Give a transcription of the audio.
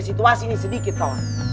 situasi ini sedikit toh